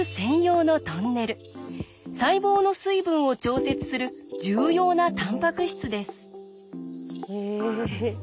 細胞の水分を調節する重要なたんぱく質です。